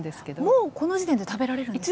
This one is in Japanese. もうこの時点で食べられるんですね。